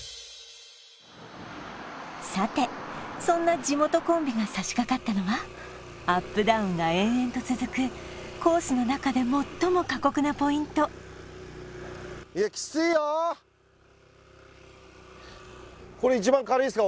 さてそんな地元コンビがさしかかったのはアップダウンが延々と続くコースの中で最も過酷なポイントいやキツいよこれ一番軽いんすか？